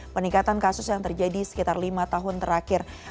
peningkatan kasus yang terjadi sekitar lima tahun terakhir